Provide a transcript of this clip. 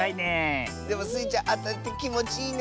でもスイちゃんあたってきもちいいね。